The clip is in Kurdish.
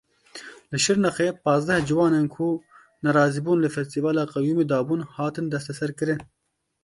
Li Şirnexê pazdeh ciwanên ku nerazîbûn li festîvala qeyumî dabûn, hatin desteserkirin.